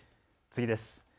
次です。